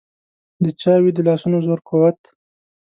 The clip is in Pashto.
د چا وي د لاسونو زور قوت.